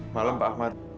malam pak ahmad